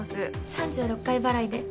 ３６回払いで。